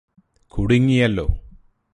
കുടുങ്ങിയല്ലോ